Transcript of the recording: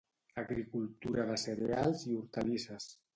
Agricultura de cereals i hortalisses.